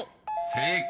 ［正解。